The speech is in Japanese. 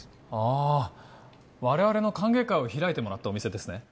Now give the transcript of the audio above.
あ我々の歓迎会を開いてもらったお店ですね？